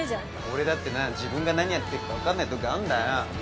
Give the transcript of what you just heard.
俺だってな自分が何やってっか分かんないときあんだよ。